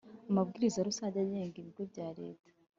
amabwiriza rusange agenga ibigo bya leta